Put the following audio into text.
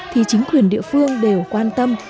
thì chính quyền địa phương đều quan tâm